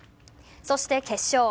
そして決勝。